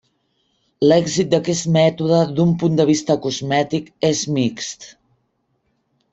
L'èxit d'aquest mètode, d'un punt de vista cosmètic, és mixt.